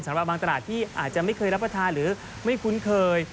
สำหรับบางตลาดที่อาจจะไม่เคยรับประทานหรือไม่คุ้นเคย